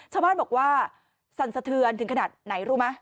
ชาวบ้านบอกว่าสั่นสะเทือนถึงขนาดไหนรู้ไหม